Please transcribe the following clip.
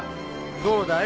どうだい？